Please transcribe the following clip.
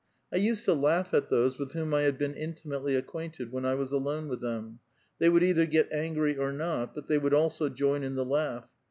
I used to laugh at those with whom I have been intimately acquainted, wlien I was alone with them. They would either get angry or not, but they would also join in the laugh.